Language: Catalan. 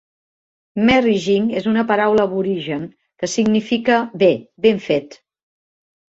Merrijig és una paraula aborigen que significa "bé, ben fet".